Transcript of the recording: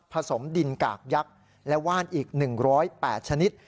สมดินกากยักษ์และว่านอีก๑๐๘ชนิด